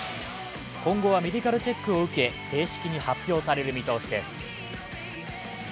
今後はメディカルチェックを受け、正式に発表される見通しです。